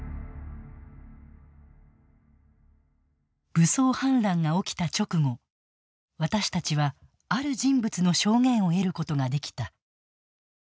武装反乱が起きた直後私たちは、ある人物の証言を得ることができた。